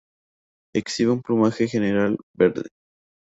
Exhibe un plumaje general verde.